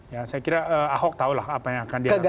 ya saya kira ahok tahulah apa yang akan dia lakukan